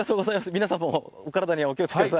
皆さんもお体にはお気をつけください。